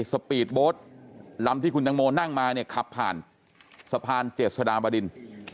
สปีดโบสต์ลำที่คุณตังโมนั่งมาเนี่ยขับผ่านสะพานเจษฎาบดิน